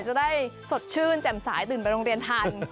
จะได้สดชื่นแจ่มสายตื่นไปโรงเรียนทัน